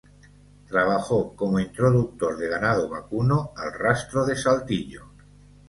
Trabajó como introductor de ganado vacuno al rastro de Saltillo.